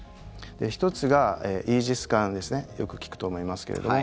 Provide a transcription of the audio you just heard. １つがイージス艦ですねよく聞くと思いますけれども。